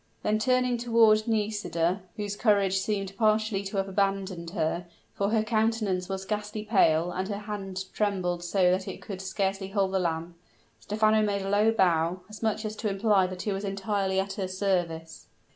Then turning toward Nisida, whose courage seemed partially to have abandoned her, for her countenance was ghastly pale, and her hand trembled so that it could scarcely hold the lamp, Stephano made a low bow, as much as to imply that he was entirely at her service.